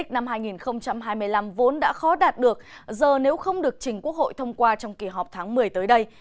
năm hai nghìn hai mươi năm vốn đã khó đạt được giờ nếu không được trình quốc hội thông qua trong kỳ họp tháng một mươi tới đây